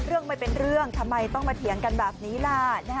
เรื่องไม่เป็นเรื่องทำไมต้องมาเถียงกันแบบนี้ล่ะ